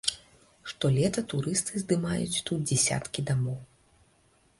Штолета турысты здымаюць тут дзесяткі дамоў.